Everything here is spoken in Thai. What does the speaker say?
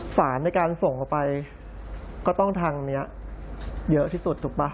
สารในการส่งออกไปก็ต้องทางนี้เยอะที่สุดถูกป่ะ